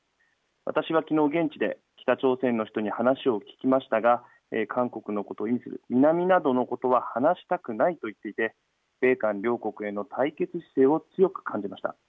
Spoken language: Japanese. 私はきのう現地で北朝鮮の人に話を聞きましたが、韓国のことについて南などのことについて話したくはないとしていて米韓両国への対決姿勢を強く感じました。